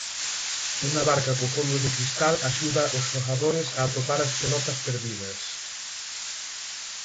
Unha barca co fondo de cristal axuda aos xogadores a atopar as pelotas perdidas.